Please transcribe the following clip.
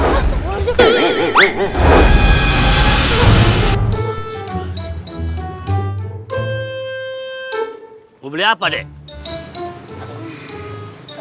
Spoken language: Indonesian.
mau beli apa deh